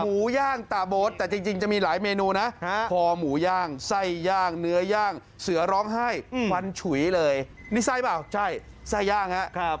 หมูย่างตาโบ๊ทแต่จริงจะมีหลายเมนูนะคอหมูย่างไส้ย่างเนื้อย่างเสือร้องไห้ฟันฉุยเลยนี่ไส้เปล่าใช่ไส้ย่างครับ